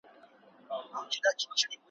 دا څراغ دي د بل چا په کور کي بل کئ